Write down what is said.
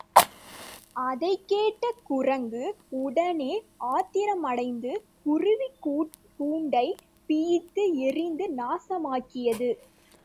அதைக் கேட்ட குரங்கு, உடனே ஆத்திரமடைந்து, குருவிக் கூண்டைப் பிய்த்து எறிந்து நாசமாக்கியது.